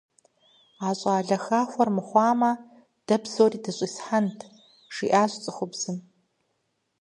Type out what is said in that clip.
А щӀалэ хахуэр мыхъуатэмэ, дэ псори дыщӀисхьэнт, - жиӀащ цӀыхубзым.